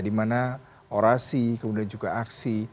dimana orasi kemudian juga aksi